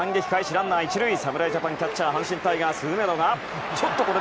ランナー１塁で侍ジャパンのキャッチャー阪神タイガースの梅野。